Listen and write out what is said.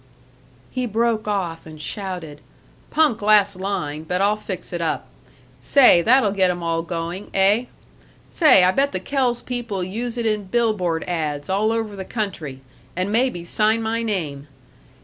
He broke off and shouted, "Punk last line, but I'll fix it up. Say, that'll get 'em all going, eh? Say, I bet the Kells people use it in bill board ads. all over the country, and maybe sign my name.